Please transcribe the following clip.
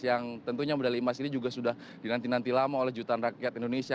yang tentunya medali emas ini juga sudah dinanti nanti lama oleh jutaan rakyat indonesia